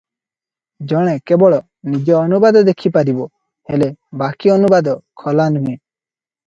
ଜଣେ କେବଳ ନିଜ ଅନୁବାଦ ଦେଖିପାରିବ ହେଲେ ବାକି ଅନୁବାଦ ଖୋଲା ନୁହେଁ ।